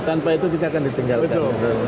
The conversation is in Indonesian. tanpa itu kita akan ditinggalkan